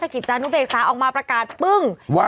ราชกิจธรรมดิตนุทธิศาสตร์ออกมาประกาศปึ้งว่า